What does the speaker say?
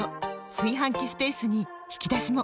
炊飯器スペースに引き出しも！